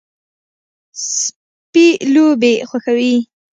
سپي لوبې خوښوي.